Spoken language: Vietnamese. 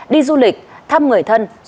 đi du lịch thăm người thân